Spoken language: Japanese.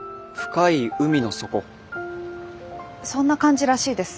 そんな感じらしいです。